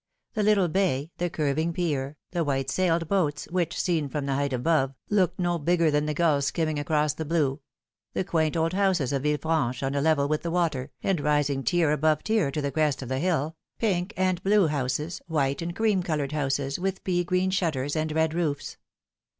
The little bay, the curving pier, the white'Sailed boats, which, seen from the height above, looked no bigger than the gulls skimming across the blue ; the quaint old houses of Villefranche on a level with the water, and rising tier above tier to the crest of the hill pink and blue houses, white and cream coloured houses, with pea green shutters and red roofs.